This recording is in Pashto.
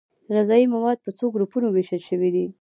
غذايي مواد په څو ګروپونو ویشل شوي دي